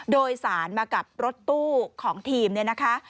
โดยสารมากับรถตู้ของทีมเนี่ยนะคะ